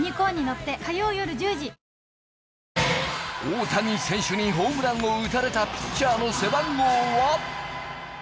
大谷選手にホームランを打たれたピッチャーの背番号は？